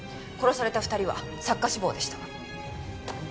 殺された２人は作家志望でした。